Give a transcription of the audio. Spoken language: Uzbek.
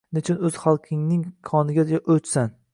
Nechun oʼz xalqingning qoniga oʼchsan!